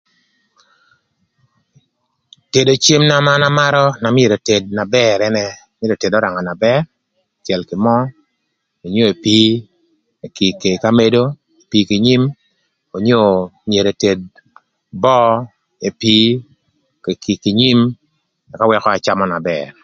Tedo cem na an amarö na myero eted na bër ënë mïtö eted öranga na bër, ëcël kï möö onyo epii, epii k'amedo onyo epii kï nyim, onyo myero eted böö epii kï nyim ëka wëkö acamö na bër.